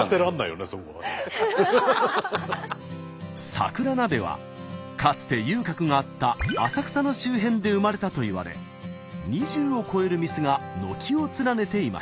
桜鍋はかつて遊郭があった浅草の周辺で生まれたといわれ２０を超える店が軒を連ねていました。